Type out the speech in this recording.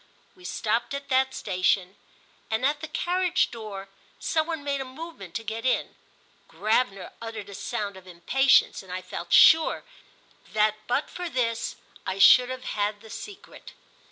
We stopped at that station, and, at the carriage door, some one made a movement to get in. Gravener uttered a sound of impatience, and I felt sure that but for this I should have had the secret.